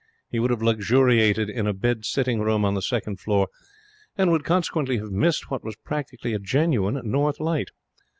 He would have luxuriated in a bed sitting room on the second floor; and would consequently have missed what was practically a genuine north light.